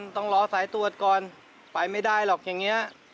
ต้องรอสายตรวจก่อนไปไม่ได้หรอกอย่างนี้